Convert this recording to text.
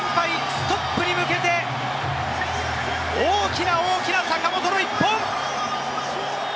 ストップに向けて、大きな大きな坂本の一本！